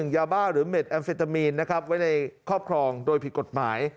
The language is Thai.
ยาบ้าหรือเม็ดแอมเฟตามีนนะครับไว้ในครอบครองโดยผิดกฎหมาย